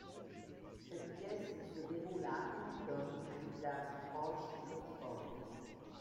Cette pièce se déroule à Abington, un village proche d'Oxford.